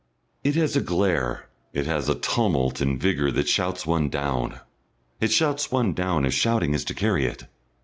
It has a glare, it has a tumult and vigour that shouts one down. It shouts one down, if shouting is to carry it.